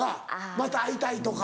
「また会いたい」とか。